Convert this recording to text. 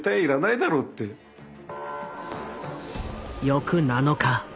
翌７日。